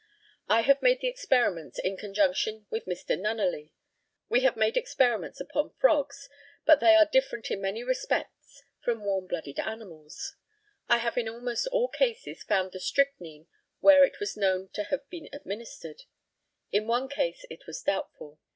I have made the experiments in conjunction with Mr. Nunneley. We have made experiments upon frogs, but they are different in many respects from warm blooded animals. I have in almost all cases found the strychnine where it was known to have been administered. In one case it was doubtful.